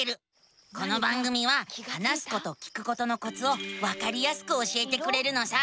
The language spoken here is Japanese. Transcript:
この番組は話すこと聞くことのコツをわかりやすく教えてくれるのさ。